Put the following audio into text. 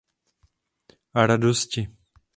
A radosti.